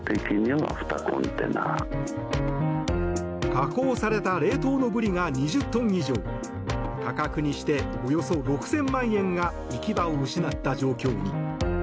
加工された冷凍のブリが２０トン以上価格にしておよそ６０００万円が行き場を失った状況に。